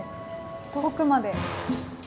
遠くまで。